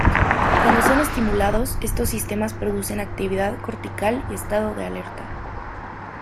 Cuando son estimulados, estos sistemas producen actividad cortical y estado de alerta.